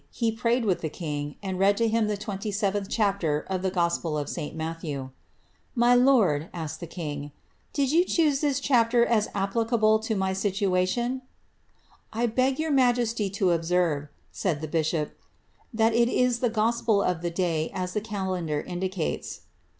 He prayed with the kiiM and read to him the 27th chapter of the gospel of St. Matthew. ^^ M; lord,^' asked the king, ^ did you choose this chapter as applicable to m; situation i^ ^ I beg your majesty to observe,'' said the bishop, ^ tb it is the gospel of the day, as the calendar indicates."